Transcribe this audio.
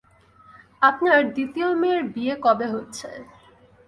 আপনার দ্বিতীয় মেয়ের বিয়ে কবে হচ্ছে?